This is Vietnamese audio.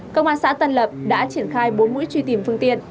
công an xã tân lập đã triển khai bốn mũi truy tìm phương tiện